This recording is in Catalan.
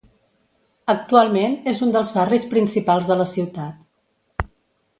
Actualment, és un dels barris principals de la ciutat.